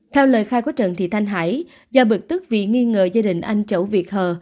theo lời khai của trần thị thanh hải do bực tức vì nghi ngờ gia đình anh chậu việt hờ